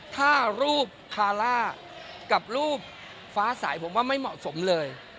ถ้ารูปคาร่ากับรูปฟ้าสายผมว่าไม่เหมาะสมเลย